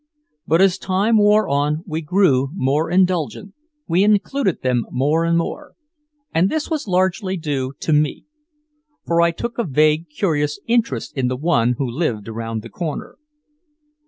But as time wore on we grew more indulgent, we included them more and more. And this was largely due to me. For I took a vague curious interest in the one who lived around the corner.